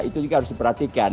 itu juga harus diperhatikan